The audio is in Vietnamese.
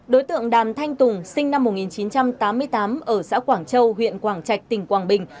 đối tượng đàn thanh tùng sinh năm một nghìn chín trăm tám mươi tám ở xã quảng châu huyện quảng trạch tỉnh quảng bình